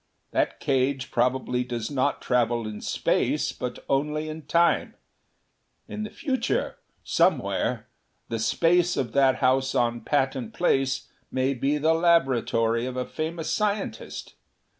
That cage probably does not travel in Space, but only in Time. In the future somewhere the Space of that house on Patton Place may be the laboratory of a famous scientist.